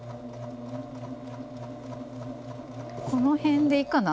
この辺でいいかな？